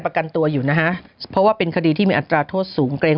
ประกันตัวอยู่นะฮะเพราะว่าเป็นคดีที่มีอัตราโทษสูงเกรง